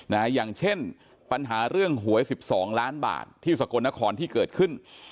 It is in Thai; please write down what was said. อย่างเช่นปัญหาเรื่องหวยสิบสองล้านบาทที่สกลนครที่เกิดขึ้น